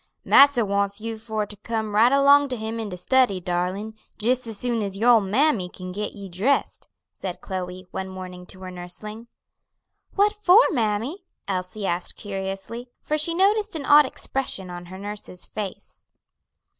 "Massa wants you for to come right along to him in de study, darlin', jis as soon as your ole mammy kin get you dressed," said Chloe, one morning to her nursling. "What for, mammy?" Elsie asked curiously, for she noticed an odd expression on her nurse's face.